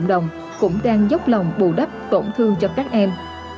các cộng đồng cũng đang dốc lòng bù đắp tổn thương cho các em